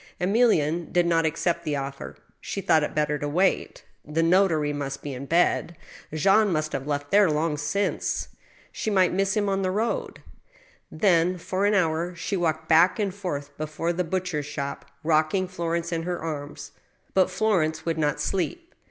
Emilienne did not accept the offer ; she thought it better to wait. The notary must be in bed. Jean must have left there long since. She might miss him on the road. Then, for an hour, she walked back and forth before the butch 74 ^^^ STEEL HAMMER, er's shop, rocking Florence in her arms. But Florence would not sleep.